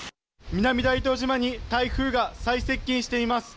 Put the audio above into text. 南大東島に台風が最接近しています。